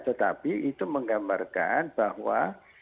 tetapi itu menggambarkan bahwa